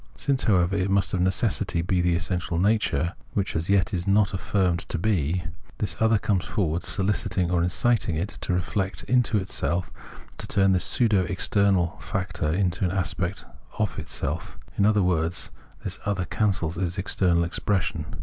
Since, however, it must of necessity be this essential nature, which as yet it is not affirmed to be, this other comes forward soliciting or inciting it to reflect into self, to turn this pseudo external factor into an aspect of itself ; in other words, this other cancels its external expression.